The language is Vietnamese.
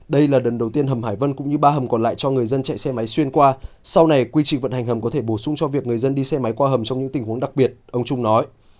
đây là lần đầu tiên hầm hải vân cũng như ba hầm còn lại cho người dân chạy xe máy xuyên qua sau này quy trình vận hành hầm có thể bổ sung cho việc người dân đi xe máy qua hầm trong những tình huống đặc biệt ông trung nói